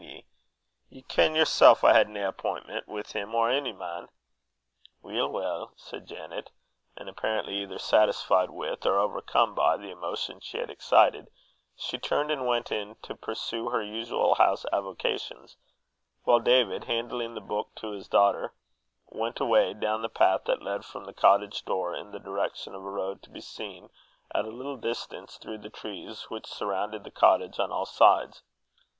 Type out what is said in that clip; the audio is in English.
Ye ken yersel I had nae appintment wi' him or ony man." "Weel, weel!" said Janet; and, apparently either satisfied with or overcome by the emotion she had excited, she turned and went in to pursue her usual house avocations; while David, handing the book to his daughter, went away down the path that led from the cottage door, in the direction of a road to be seen at a little distance through the trees, which surrounded the cottage on all sides.